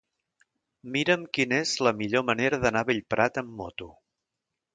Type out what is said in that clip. Mira'm quina és la millor manera d'anar a Bellprat amb moto.